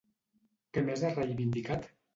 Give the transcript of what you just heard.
Què més ha reivindicat?